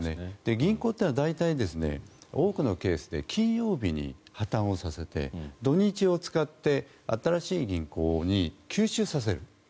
銀行というのは大体多くのケースで金曜日に破たんをさせて土日を使って新しい銀行に吸収させる。